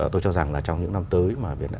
tôi cho rằng trong những năm tới